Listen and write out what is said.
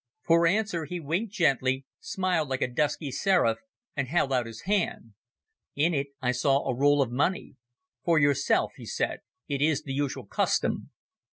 For answer he winked gently, smiled like a dusky seraph, and held out his hand. In it I saw a roll of money. "For yourself," he said. "It is the usual custom."